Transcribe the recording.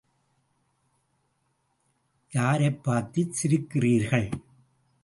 யாரைப் பார்த்துச் சிரிக்கிறீர்கள்.